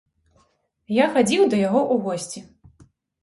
Я хадзіў да яго ў госці.